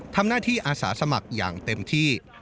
ทำหน้าที่อาสาสมัครอย่างเต็มที่